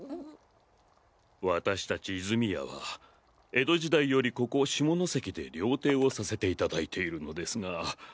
私たち泉谷は江戸時代よりここ下関で料亭をさせていただいているのですが。